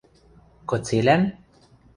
– Кыцелӓн?